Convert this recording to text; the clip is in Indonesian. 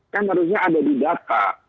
kan harusnya ada di data